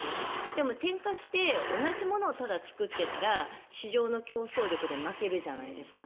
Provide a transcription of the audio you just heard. でも、転嫁して同じものをただ作っていたら市場の競争力で負けるじゃないですか。